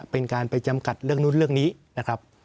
เป็นการไปจำกัดเรื่องนู้นเรื่องนี้นะครับ